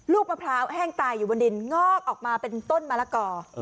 มะพร้าวแห้งตายอยู่บนดินงอกออกมาเป็นต้นมะละกอ